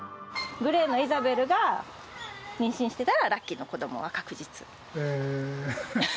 グレーのイザベルが妊娠してたら、ラッキーの子どもは確実。